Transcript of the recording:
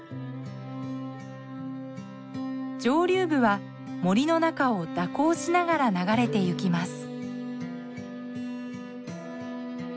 上流部は森の中を蛇行しながら流れてゆきます。